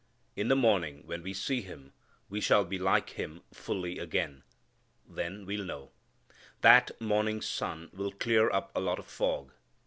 In the morning when we see Him we shall be like Him fully again. Then we'll know. That morning's sun will clear up a lot of fog.